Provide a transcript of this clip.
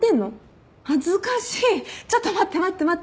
恥ずかしいちょっと待って待って待って。